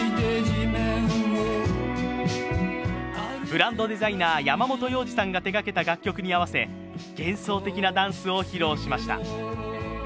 ブランドデザイナー・山本耀司さんが手がけた楽曲に合わせ幻想的なダンスを披露しました。